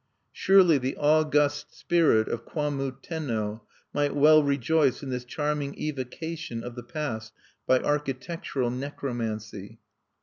Surely the august Spirit of Kwammu Tenno might well rejoice in this charming evocation of the past by architectural necromancy!